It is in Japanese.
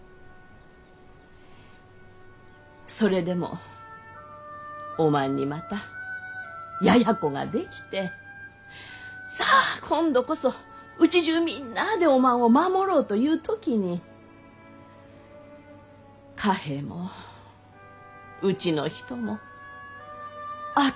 それでもおまんにまたややこができてさあ今度こそうちじゅうみんなあでおまんを守ろうとゆう時に嘉平もうちの人もあっけのう亡うなってしもうた。